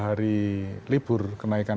hari libur kenaikan